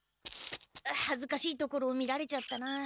はずかしいところを見られちゃったな。